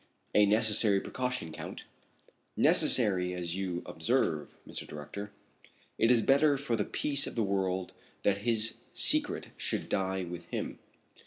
"A necessary precaution, Count." "Necessary, as you observe, Mr. Director. It is better for the peace of the world that his secret should die with him."